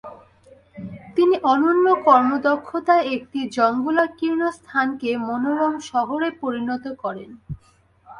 তিনি অনন্য কর্মদক্ষতায় একটি জঙ্গলাকীর্ণ স্থানকে মনোরম শহরে পরিণত করেন।